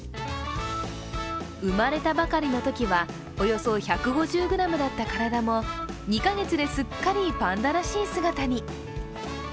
生まれたばかりのときは、およそ１５０ｇだった体も２か月で、すっかりパンダらしい姿に。